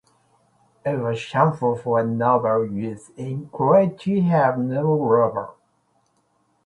It was shameful for a noble youth in Crete to have no lover.